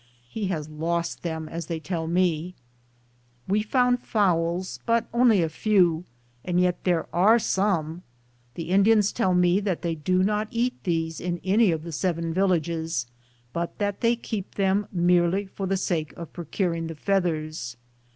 He has lost them, as they tell me. We found fowls, but only a few, and yet there are some. The Indians tell me that they do not eat these in any of the seven villages, but that they keep them merely for the sake of procuring the feathers.